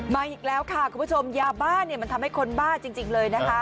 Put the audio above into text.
มาอีกแล้วค่ะคุณผู้ชมยาบ้าเนี่ยมันทำให้คนบ้าจริงเลยนะคะ